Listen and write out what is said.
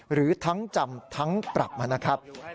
หรือทั้งจำทั้งปรับมานะครับ